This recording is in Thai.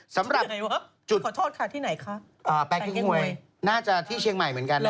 สำหรับที่ไหนวะขอโทษค่ะที่ไหนคะอ่าแปลงเก๊กหวยน่าจะที่เชียงใหม่เหมือนกันนะ